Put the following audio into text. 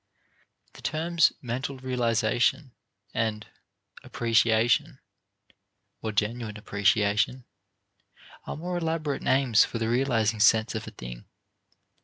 The terms "mental realization" and "appreciation" (or genuine appreciation) are more elaborate names for the realizing sense of a thing.